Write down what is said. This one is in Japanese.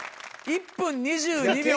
１分２２秒０３。